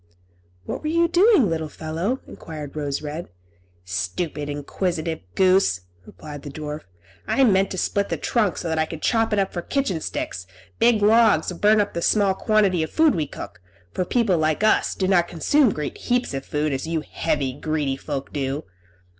"What were you doing, little fellow?" enquired Rose Red. "Stupid, inquisitive goose!" replied the dwarf; "I meant to split the trunk, so that I could chop it up for kitchen sticks; big logs would burn up the small quantity of food we cook, for people like us do not consume great heaps of food, as you heavy, greedy folk do.